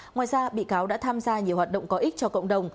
ngoài ra bị cáo đã tham gia nhiều hoạt động có ích cho cộng đồng